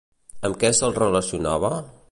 Amb què se'l relacionava?